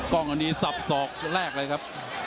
กล้องอันนี้สับสอกแรกเลยครับ